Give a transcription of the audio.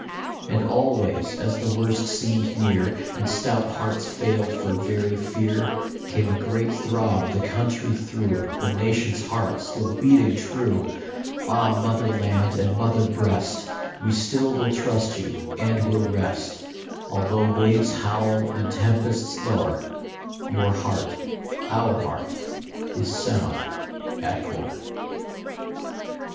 And always, as the worst seemed near, And stout hearts failed for very fear, Came a great throb the country through, The nation s heart still beating true ! Ah, mother land and mother breast, We still will trust you and will rest ; Although waves howl and tempests lower, Your heart, our heart, is sound at core.